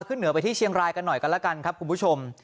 ขึ้นเหนือไปที่เชียงรายกันหน่อยกันแล้วกันครับคุณผู้ชม